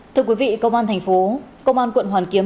thưa quý vị công an thành phố công an quận hoàn kiếm